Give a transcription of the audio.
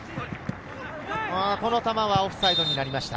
この球はオフサイドになりました。